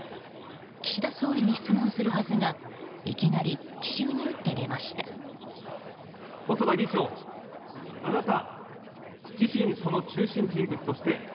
岸田総理に質問するはずがいきなり奇襲に打って出ました。